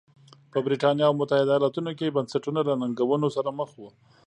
په برېټانیا او متحده ایالتونو کې بنسټونه له ننګونو سره مخ وو.